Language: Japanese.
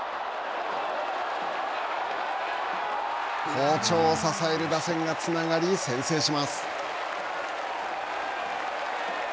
好調を支える打線がつながり先制します。